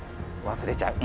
忘れちゃう。